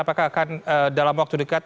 apakah akan dalam waktu dekat